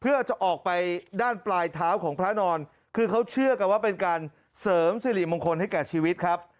เพื่อจะออกไปด้านปลายเท้าของพระนอนคือเขาเชื่อกันว่าเป็นการเสริมสิริมงคลให้แก่ชีวิตครับ